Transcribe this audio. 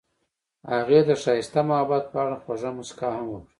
هغې د ښایسته محبت په اړه خوږه موسکا هم وکړه.